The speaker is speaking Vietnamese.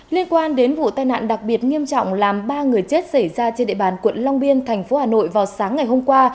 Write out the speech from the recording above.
liên quan đến vụ tai nạn đặc biệt nghiêm trọng làm ba người chết xảy ra trên địa bàn quận long biên thành phố hà nội vào sáng ngày hôm qua